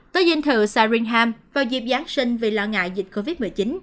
tới dinh thự sarringham vào dịp giáng sinh vì lo ngại dịch covid một mươi chín